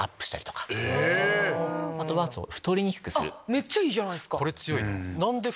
めっちゃいいじゃないですか。